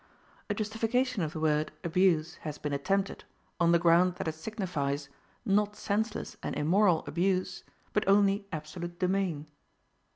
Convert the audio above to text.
A justification of the word ABUSE has been attempted, on the ground that it signifies, not senseless and immoral abuse, but only absolute domain.